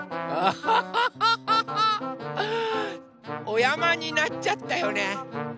おやまになっちゃったよね。